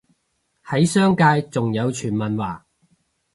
喺商界仲有傳聞話